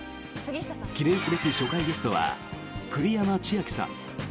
記念すべき初回ゲストは栗山千明さん。